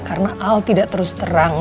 karena al tidak terus terang